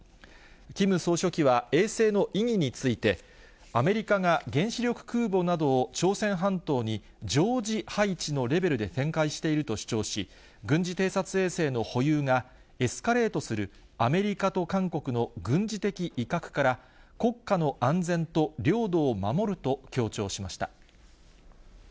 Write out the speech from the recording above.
キム総書記は衛星の意義について、アメリカが原子力空母などを朝鮮半島に常時配置のレベルで展開していると主張し、軍事偵察衛星の保有がエスカレートする、アメリカと韓国の軍事的威嚇から国家の安全と領土を守ると強調しました。